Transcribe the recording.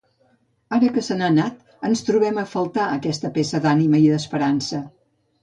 Ara que se n'ha anat ens trobem a faltar aquesta peça d'ànima i esperança.